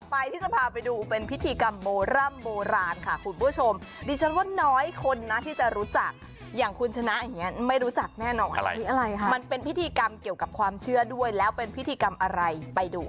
ไปที่จะพาไปดูเป็นพิธีกรรมโบร่ำโบราณค่ะคุณผู้ชมดิฉันว่าน้อยคนนะที่จะรู้จักอย่างคุณชนะอย่างนี้ไม่รู้จักแน่นอนมันเป็นพิธีกรรมเกี่ยวกับความเชื่อด้วยแล้วเป็นพิธีกรรมอะไรไปดู